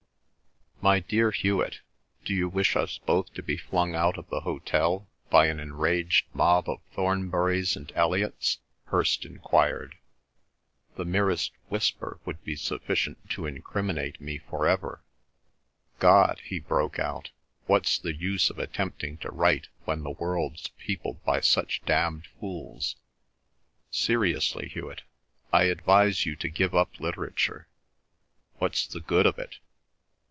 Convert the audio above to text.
"My dear Hewet, do you wish us both to be flung out of the hotel by an enraged mob of Thornburys and Elliots?" Hirst enquired. "The merest whisper would be sufficient to incriminate me for ever. God!" he broke out, "what's the use of attempting to write when the world's peopled by such damned fools? Seriously, Hewet, I advise you to give up literature. What's the good of it?